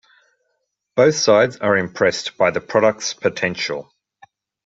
Both sides are impressed by the product's potential.